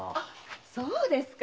そうですか。